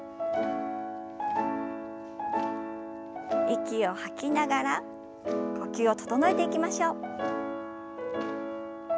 息を吐きながら呼吸を整えていきましょう。